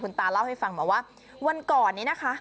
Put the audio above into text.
ตาเล่าให้ฟังมาว่าวันก่อนนี้นะคะ